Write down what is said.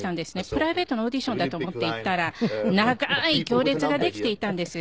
プライベートのオーディションだと思って行ったら長い行列ができていたんです